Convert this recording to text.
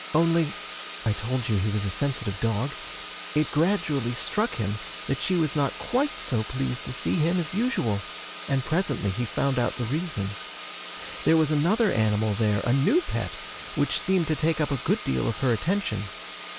Only (I told you he was a sensitive dog) it gradually struck him that she was not quite so pleased to see him as usual and presently he found out the reason. There was another animal there, a new pet, which seemed to take up a good deal of her attention.